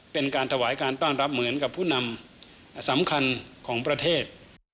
เป็นการถวายการต้อนรับเหมือนกับผู้นำสำคัญของประเทศ